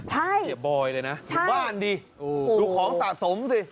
ใช่เสียบอยเลยนะอยู่บ้านดิดูของสะสมสิ